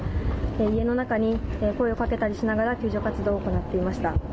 家の中に声をかけたりしながら、救助活動を行っていました。